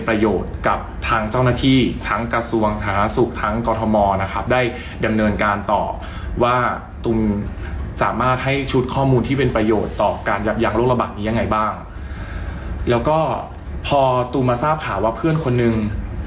พอตูมมาทราบข่าวว่าเพื่อนคนหนึ่ง